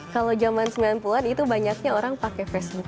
kalau zaman sembilan puluh an itu banyaknya orang pakai facebook